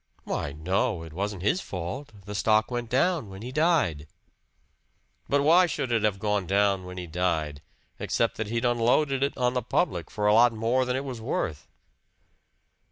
"Why, no. It wasn't his fault. The stock went down when he died." "But why should it have gone down when he died, except that he'd unloaded it on the public for a lot more than it was worth?"